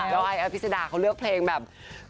แล้วไออภิษดาเขาเลือกเพลงแบบ